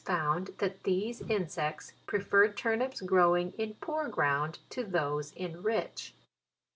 found that these insects prefer turnips grow ing in poor ground to those in rich.